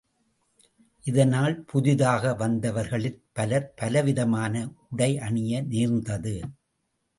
இதனால் புதிதாக வந்தவர்களிற் பலர் பலவிதமான உடை அணிய நேர்ந்தது.